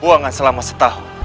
buangan selama setahun